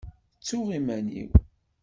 Ttuɣ iman-iw.